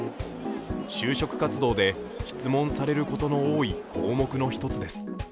就職活動で質問されることの多い項目の１つです。